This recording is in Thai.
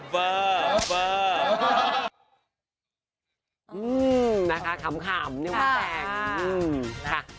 ไม่ต้องโกนหัวด้วยนะ